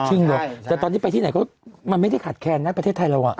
ใช่แต่ตอนที่ไปที่ไหนก็มันไม่ได้ขาดแค่นักประเทศไทยหรือเปล่า